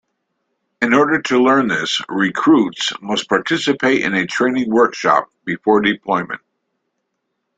In order to learn this 'recruits' must participate in a training workshop before deployment.